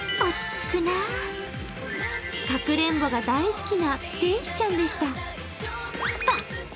かくれんぼが大好きな天使ちゃんでした。